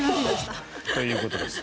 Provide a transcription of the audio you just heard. ということです。